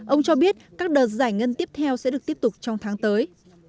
ông cho biết các đợt giải ngân tiếp theo sẽ được tiếp tục trong tháng tới